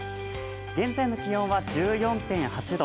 現在の気温は１４．８度。